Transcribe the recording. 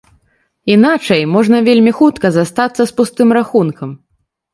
Іначай можна вельмі хутка застацца з пустым рахункам.